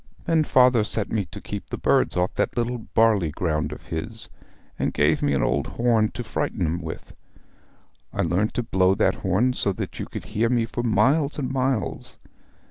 Then father set me to keep the birds off that little barley ground of his, and gave me an old horn to frighten 'em with. I learnt to blow that horn so that you could hear me for miles and miles.